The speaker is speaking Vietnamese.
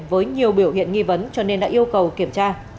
với nhiều biểu hiện nghi vấn cho nên đã yêu cầu kiểm tra